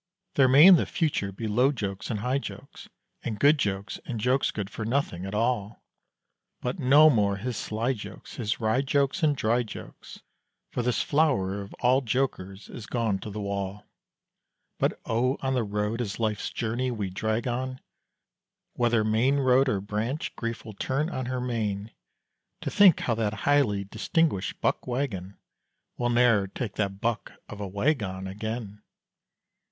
There may in the future be low jokes and high jokes; And good jokes and jokes good for nothing at all But no more his sly jokes, his wry jokes and dry jokes For this flower of all jokers is gone to the wall. But oh! on the road, as life's journey we drag on, Whether main road or branch, Grief will turn on her main, To think how that highly distinguished buck wagon Will ne'er take that buck of a wag on again.